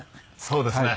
そうですね。